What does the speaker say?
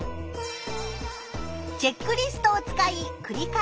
チェックリストを使いくり返し練習する。